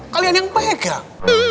kalian yang pegang